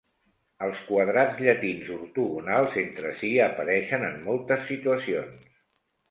Els quadrats llatins ortogonals entre si apareixen en moltes situacions.